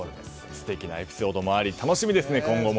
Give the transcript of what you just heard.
素敵なエピソードもあり楽しみですね、今後も。